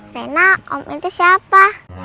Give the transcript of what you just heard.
rena om itu siapa